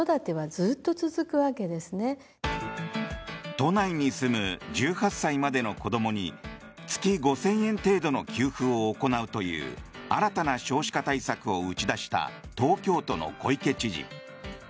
都内に住む１８歳までの子どもに月５０００円程度の給付を行うという新たな少子化対策を打ち出した東京都の小池知事。